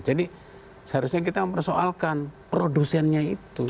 jadi seharusnya kita mempersoalkan produsennya itu